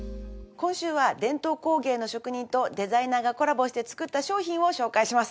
今週は伝統工芸の職人とデザイナーがコラボして作った商品を紹介します。